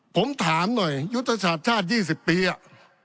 ผมถามหน่อยยุตชาติชาติ๒๐ปีอ่ะ